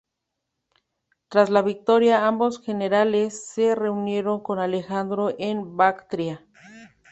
Tras la victoria, ambos generales se reunieron con Alejandro en Bactria.